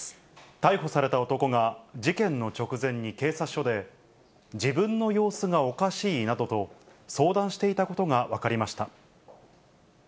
逮捕された男が、事件の直前に警察署で、自分の様子がおかしいなどと相談していたことが分かりました。